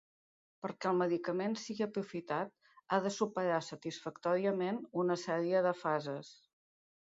Perquè el medicament sigui aprofitat ha de superar satisfactòriament una sèrie de fases.